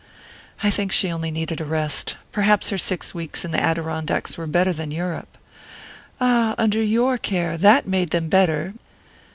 "I think she only needed rest. Perhaps her six weeks in the Adirondacks were better than Europe." "Ah, under your care that made them better!"